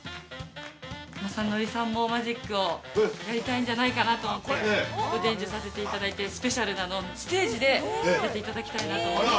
◆まさのりさんもマジックをやりたいんじゃないかなと思って、ご伝授させていただいてスペシャルなのをステージでやっていただきたいなと思います。